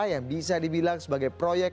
yang bisa dibilang sebagai proyek